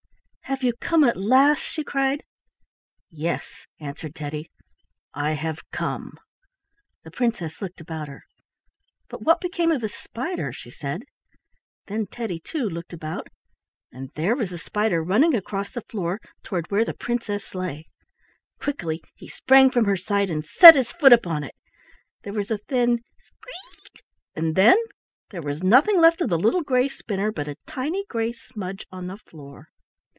"Have you come at last?" she cried. "Yes," answered Teddy, "I have come." The princess looked about her. "But what became of the spider?" she said. Then Teddy, too, looked about, and there was the spider running across the floor toward where the princess lay. Quickly he sprang from her side and set his foot upon it. There was a thin squeak and then —there was nothing left of the little gray spinner but a tiny gray smudge on the floor.